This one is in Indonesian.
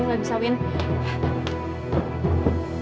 tunggu gue mau ambil uangnya